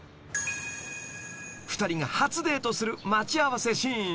［２人が初デートする待ち合わせシーン］